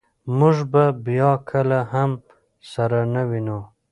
موږ به بیا کله هم سره نه وینو.